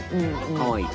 かわいい。